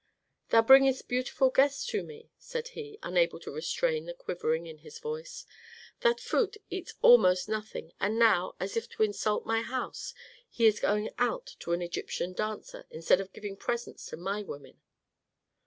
"Thou bringest beautiful guests to me!" said he, unable to restrain the quivering of his voice. "That Phut eats almost nothing, and now, as if to insult my house, he is going out to an Egyptian dancer instead of giving presents to my women."